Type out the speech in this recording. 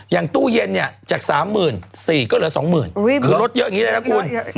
อย่างตู้เย็นจาก๓๐๐๐๐๔๐๐๐๐ก็เหลือ๒๐๐๐๐คือลดเยอะอย่างนี้เลยนะคุณ